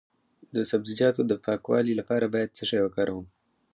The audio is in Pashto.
د سبزیجاتو د پاکوالي لپاره باید څه شی وکاروم؟